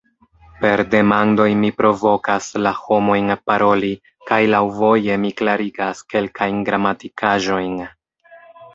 Per demandoj mi "provokas" la homojn paroli, kaj "laŭvoje" mi klarigas kelkajn gramatikaĵojn.